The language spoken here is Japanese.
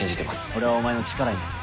「俺はお前の力になる」